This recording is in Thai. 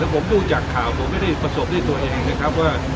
ผมดูจากข่าวผมไม่ได้ประสบด้วยตัวเองนะครับว่า